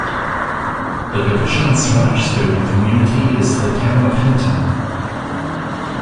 The division's largest urban community is the Town of Hinton.